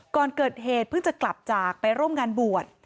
ก่อนเกิดเหตุเพิ่งจะกลับจากไปร่วมงานบวช